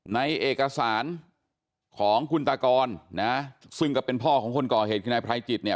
ในเอกสารของคุณตากรนะซึ่งก็เป็นพ่อของคนก่อเหตุคือนายไพรจิตเนี่ย